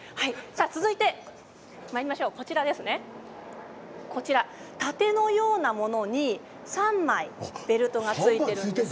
続いて盾のようなものにさんまベルトが付いています。